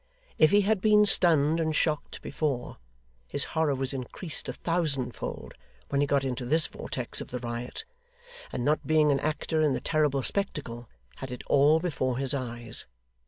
If he had been stunned and shocked before, his horror was increased a thousandfold when he got into this vortex of the riot, and not being an actor in the terrible spectacle, had it all before his eyes.